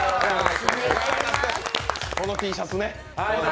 このＴシャツね。